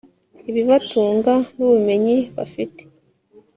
ibibatunga n'ubumenyi bafite